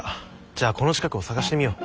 じゃあこの近くを探してみよう。